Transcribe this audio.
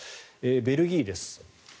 ベルギーです。